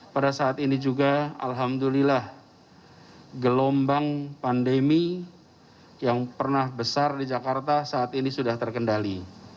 pada saat ini juga alhamdulillah gelombang pandemi yang pernah besar di jakarta saat ini sudah terkendali